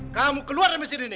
kamu keluar mesin ini